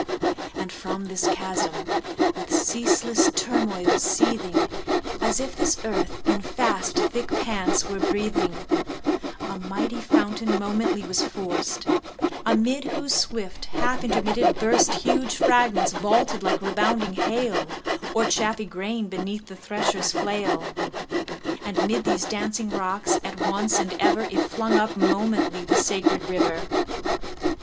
And from this chasm, with ceaseless turmoil seething, As if this earth in fast thick pants were breathing, A mighty fountain momently was forced; Amid whose swift half intermitted burst 20 Huge fragments vaulted like rebounding hail, Or chaffy grain beneath the thresher's flail: And 'mid these dancing rocks at once and ever It flung up momently the sacred river.